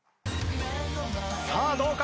さあどうか？